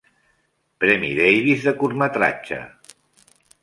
Premi Davis de curtmetratge.